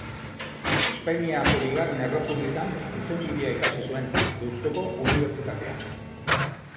Espainiako Bigarren Errepublikan Zuzenbidea ikasi zuen, Deustuko Unibertsitatean.